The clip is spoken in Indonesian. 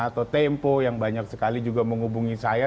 atau tempo yang banyak sekali juga menghubungi saya